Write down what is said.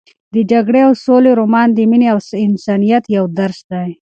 د جګړې او سولې رومان د مینې او انسانیت یو درس دی.